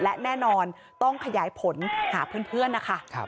และแน่นอนต้องขยายผลหาเพื่อนนะคะ